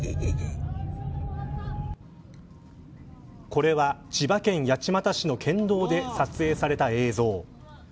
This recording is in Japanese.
これは千葉県八街市の県道で撮影された映像。